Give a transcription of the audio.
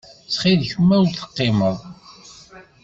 Ttxil-k ma ur teqqimeḍ.